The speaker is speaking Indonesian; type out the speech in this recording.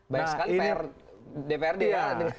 banyak sekali dprd ya